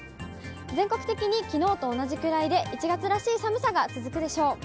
全国的にきのうと同じくらいで、１月らしい寒さが続くでしょう。